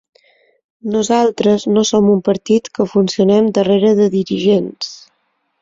Nosaltres no som un partit que funcionem darrere de dirigents.